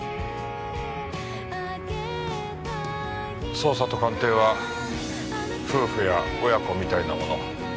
捜査と鑑定は夫婦や親子みたいなもの。